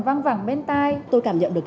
văng vẳng bên tai tôi cảm nhận được